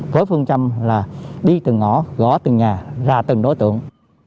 với phương trâm là đi từng ngõ gó từng nhà ra từng đối tượng